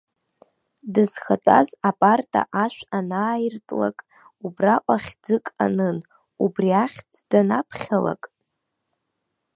Дызхатәаз апарта ашә анааиртлак, убраҟа хьӡык анын, убри ахьӡ данаԥхьалак.